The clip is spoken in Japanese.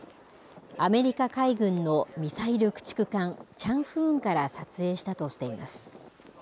アメリカ海軍のミサイル駆逐艦チャンフーンから撮影したとしています。